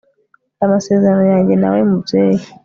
aya masezerano yanjye nawe mubyeyi